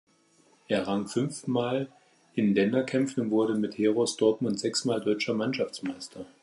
Er rang fünfmal in Länderkämpfen und wurde mit Heros Dortmund sechsmal deutscher Mannschaftsmeister.